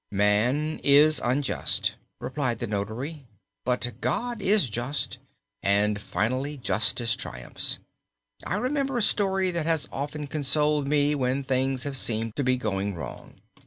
"Man is unjust," replied the notary, "but God is just, and finally justice triumphs. I remember a story that has often consoled me when things have seemed to be going wrong.